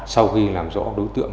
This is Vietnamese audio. sau khi làm rõ đối tượng